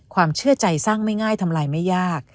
ความเชื่อใจสร้างไม่ง่ายทำลายไม่ยาก